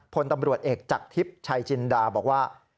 พลตำรวจเอกจากทิพย์ชัยจินดาบอกว่า